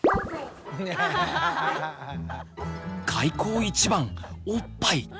開口一番おっぱい。